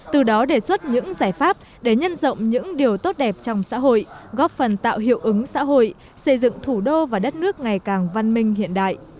từ đó đề xuất những giải pháp để nhân rộng những điều tốt đẹp trong xã hội góp phần tạo hiệu ứng xã hội xây dựng thủ đô và đất nước ngày càng văn minh hiện đại